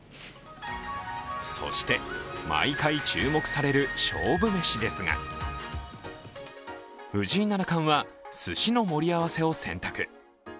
そして、毎回注目される勝負メシですが、藤井七冠はすしの盛り合わせを選択。